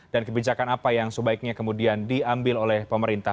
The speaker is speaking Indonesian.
dan kebijakan apa yang sebaiknya kemudian diambil oleh pemerintah